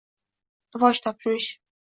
Rivoj topmish